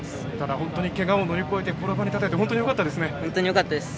本当にけがを乗り越えてこの場に立てて本当によかったですね。